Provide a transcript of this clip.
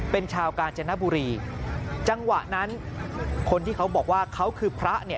เป็นชาวกาญจนบุรีจังหวะนั้นคนที่เขาบอกว่าเขาคือพระเนี่ย